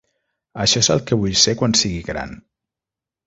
Això és el que vull ser quan sigui gran.